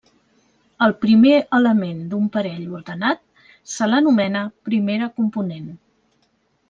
Al primer element d'un parell ordenat se l'anomena primera component.